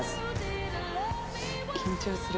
緊張する。